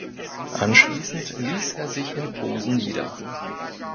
Anschließend ließ er sich in Posen nieder.